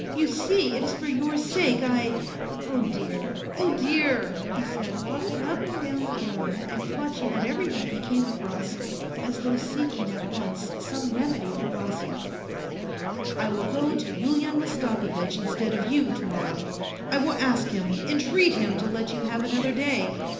You see it is for your sake I. ... Oh dear ! oh dear !" he said, walking up and down the room and clutching at everything he came across, as though seeking at once some remedy for Vasya. " I will go to Yulian Mastakovitch instead of you to morrow. I will ask him entreat him to let you have another day.